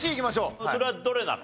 それはどれなの？